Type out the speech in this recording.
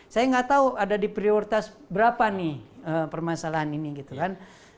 saya nggak tahu ada di prioritas berapa nih permasalahan ini gitu kan